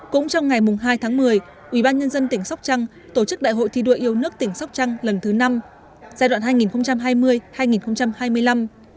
cũng trong ngày hai tháng một mươi ubnd tỉnh sóc trăng tổ chức đại hội thi đua yêu nước tỉnh sóc trăng lần thứ năm giai đoạn hai nghìn hai mươi hai nghìn hai mươi năm